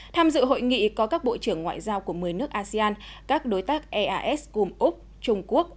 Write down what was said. tham dự hội nghị có các bộ trưởng ngoại giao của một mươi nước asean các đối tác eas cùng úc trung quốc